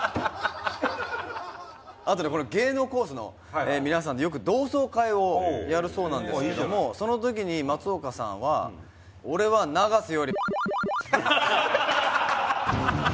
あとねこれ芸能コースの皆さんでよく同窓会をやるそうなんですけれどもその時に松岡さんは。ハハハハ！